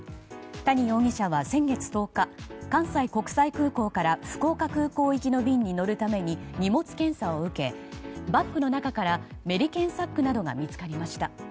谷容疑者は先月１０日関西国際空港から福岡空港行きの便に乗るために荷物検査を受けバッグの中からメリケンサックなどが見つかりました。